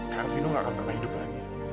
kak arvino gak akan pernah hidup lagi